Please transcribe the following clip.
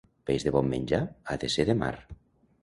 Peix de bon menjar ha de ser de mar.